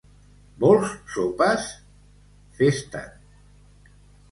—Vols sopes? —Fes-te'n.